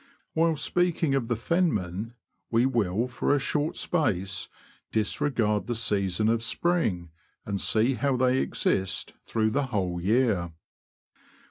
While speaking of the fenmen, we will for a short space disregard the season of spring, and see how they exist through the whole year.